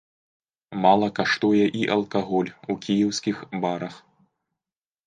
Мала каштуе і алкаголь у кіеўскіх барах.